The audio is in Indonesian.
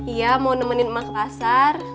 iya mau nemenin emak ke pasar